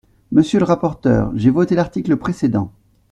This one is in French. Monsieur le rapporteur, j’ai voté l’article précédent.